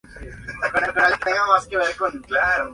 Sus canciones tienen influencia del punk, el revival ska y el rock.